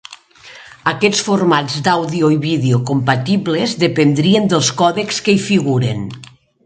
Aquests formats d'àudio i vídeo compatibles dependrien dels còdecs que hi figuren.